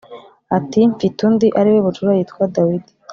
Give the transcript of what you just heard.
ati mfite undi ari we bucura Yitwa Dawidi